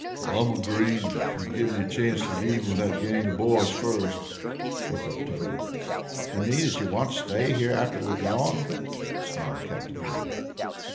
"I'm agreed, if you'll give me a chance to get even with that gang of boys first," spoke up Tucker. "You mean that you want to stay here after we've gone?" smiled Captain Willie.